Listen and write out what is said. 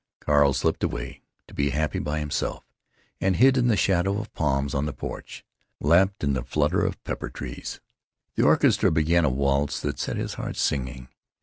Carl slipped away, to be happy by himself, and hid in the shadow of palms on the porch, lapped in the flutter of pepper trees. The orchestra began a waltz that set his heart singing.